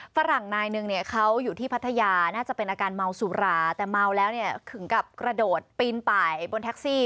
ฝรั่งนายนึงเนี่ยเขาอยู่ที่พัทยาน่าจะเป็นอาการเมาสุราแต่เมาแล้วเนี่ยถึงกับกระโดดปีนไปบนแท็กซี่